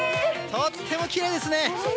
とってもきれいですね。